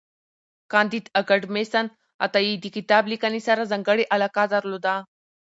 کانديد اکاډميسن عطایي د کتاب لیکنې سره ځانګړی علاقه درلوده.